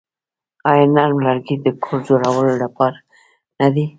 آیا نرم لرګي د کور جوړولو لپاره نه دي؟